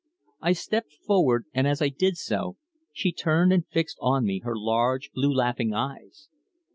I stepped forward, and as I did so, she turned and fixed on me her large, blue laughing eyes.